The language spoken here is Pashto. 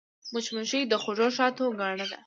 مچمچۍ د خوږ شاتو ګاڼه ده